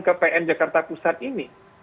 kepen jakarta pusat ini